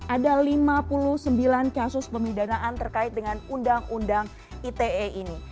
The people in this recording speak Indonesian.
ada lima puluh sembilan kasus pemidanaan terkait dengan undang undang ite ini